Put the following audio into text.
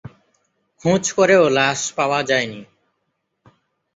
খোঁজ করেও লাশ পাওয়া যায়নি।